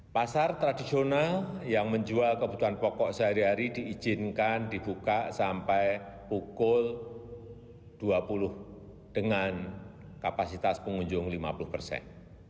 pasar tradisional yang menjual kebutuhan pokok sehari hari diizinkan dibuka sampai pukul dua puluh dengan kapasitas pengunjung lima puluh persen